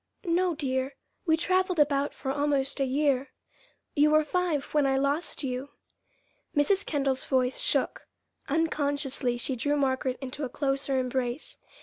"No, dear. We traveled about for almost a year. You were five when I lost you." Mrs. Kendall's voice shook. Unconsciously she drew Margaret into a closer embrace.